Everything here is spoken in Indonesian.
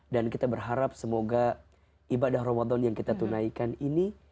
dan kita berharap semoga ibadah ramadan yang kita tunaikan ini